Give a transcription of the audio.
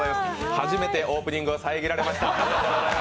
初めてオープニングが遮られました。